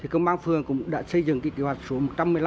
công an phường cũng đã xây dựng kỳ kỳ hoạt số một trăm một mươi năm